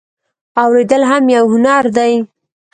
اوریدل هم یو هنر دی